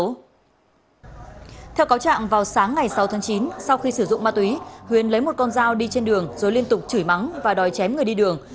sau tháng chín sau khi sử dụng ma túy huyến lấy một con dao đi trên đường rồi liên tục chửi mắng và đòi chém người đi đường